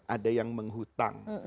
ada yang menghutang